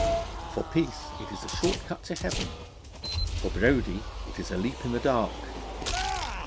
For Peace it is 'a short cut to Heaven'; for Brodie it is 'a leap in the dark.'